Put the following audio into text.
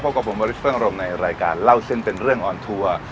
กับผมวริสเฟิ่งอารมณ์ในรายการเล่าเส้นเป็นเรื่องออนทัวร์